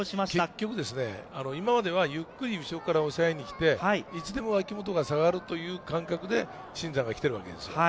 結局、今まではゆっくり後ろからおさえてきて、いつでも脇本が下がるという感覚で新山はきているんですよね。